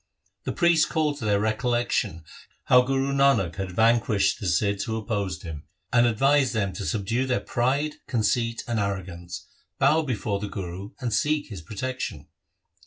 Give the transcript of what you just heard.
The priest called to their recollection how Guru Nanak had vanquished the Sidhs who opposed him, and advised them to subdue their pride, conceit, and arrogance, bow before the Guru, and seek his protection.